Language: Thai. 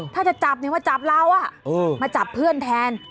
ถ้าจะจับมาจับเรามาจับเพื่อนแทน